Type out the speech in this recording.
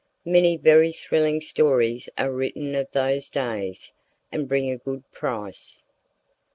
Many very thrilling stories are written of those days, and bring a good price.